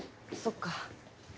そっか。